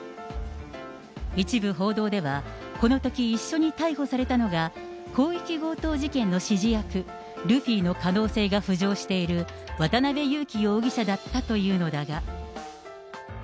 一部報道では、このとき一緒に逮捕されたのが、広域強盗事件の指示役、ルフィの可能性が浮上している、渡辺優樹容疑者だったというのだが。